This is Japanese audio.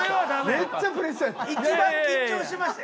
めっちゃプレッシャーやった。